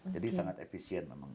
jadi sangat efisien memang ini